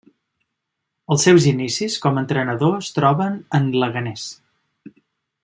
Els seus inicis com a entrenador es troben en Leganés.